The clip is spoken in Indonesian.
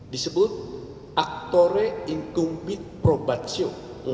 disebut aktore inkumbit probatio